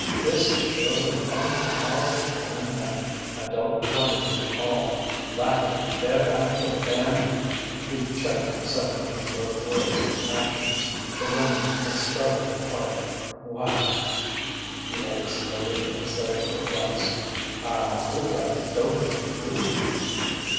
"This is surely one powerful' fine night. I don't wonder you all like it better out here than " He checked suddenly in both words and action: the women had started apart. "Why!" he added slowly, as though perplexed "I hope I don't intrude...."